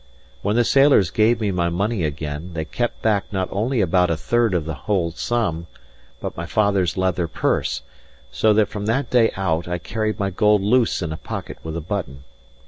When the sailors gave me my money again, they kept back not only about a third of the whole sum, but my father's leather purse; so that from that day out, I carried my gold loose in a pocket with a button.